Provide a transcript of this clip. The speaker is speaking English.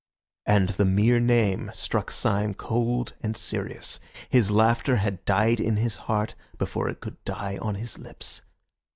And the mere name struck Syme cold and serious; his laughter had died in his heart before it could die on his lips.